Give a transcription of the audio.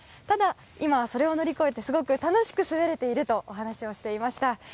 ただ、今はそれを乗り越えてすごく楽しく滑れているとお話をしていました。